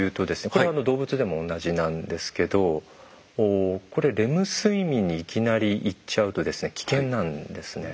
これは動物でも同じなんですけどこれレム睡眠にいきなり行っちゃうとですね危険なんですね。